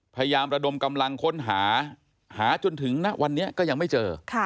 ระดมกำลังค้นหาหาจนถึงณวันนี้ก็ยังไม่เจอ